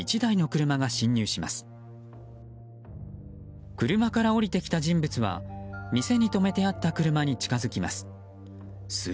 車から降りてきた人物は店に止めてあった車に近づきます。